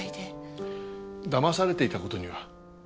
騙されていた事には？